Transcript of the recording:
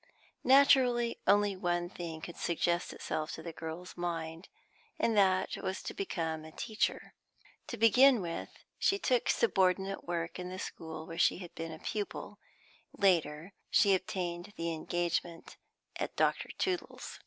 Naturally, only one thing could suggest itself to the girl's mind, and that was to become a teacher. To begin with, she took subordinate work in the school where she had been a pupil; later, she obtained the engagement at Dr. Tootle's.